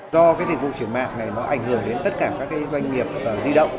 do cái dịch vụ chuyển mạng này nó ảnh hưởng đến tất cả các doanh nghiệp di động